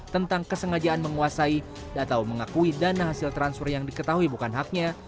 tentang kesengajaan menguasai atau mengakui dana hasil transfer yang diketahui bukan haknya